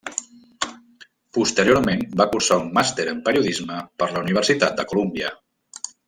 Posteriorment va cursar un màster en periodisme per la Universitat de Colúmbia.